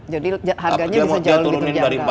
jadi harganya bisa jauh lebih terjangka